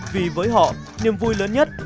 vì với họ niềm vui lớn nhất